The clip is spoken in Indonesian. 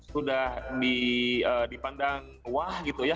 sudah dipandang wah gitu ya